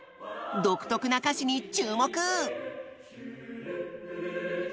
独特な歌詞に注目！